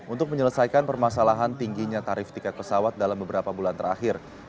untuk menyelesaikan permasalahan tingginya tarif tiket pesawat dalam beberapa bulan terakhir